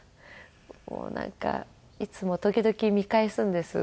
もうなんかいつも時々見返すんです。